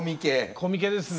コミケですね。